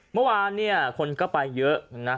เมื่อวานเนี่ยคนก็ไปเยอะนะ